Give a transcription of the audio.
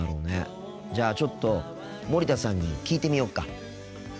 じゃあちょっと森田さんに聞いてみよっか。